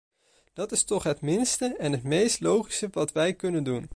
Dat is toch het minste en het meest logische wat wij kunnen doen.